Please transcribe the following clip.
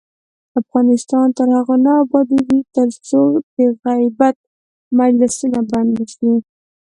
افغانستان تر هغو نه ابادیږي، ترڅو د غیبت مجلسونه بند نشي.